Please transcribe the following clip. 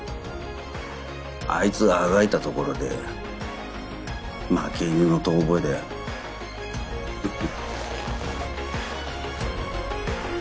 あいつがあがいたところで負け犬の遠吠えだよフフ。